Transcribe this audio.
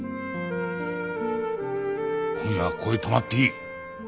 今夜はここへ泊まっていい。